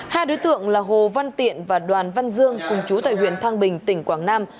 hai đối tượng là hồ văn tiện và đoàn văn dương cùng chú tại huyện thang bình tỉnh quảng nam